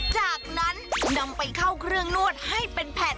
จากนั้นนำไปเข้าเครื่องนวดให้เป็นแผ่น